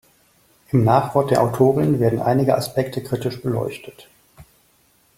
Im Nachwort der Autorin werden einige Aspekte kritisch beleuchtet.